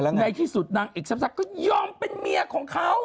ในที่สุดนางเอกซับก็ยอมเป็นเมียของเขา